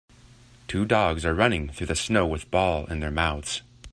Two dogs are running through the snow with ball in their mouths.